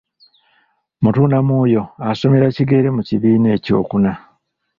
Mutundamwoyo asomera Kingere mu kibiina ekyokuna.